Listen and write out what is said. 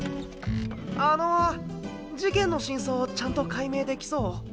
あの事件の真相ちゃんと解明できそう？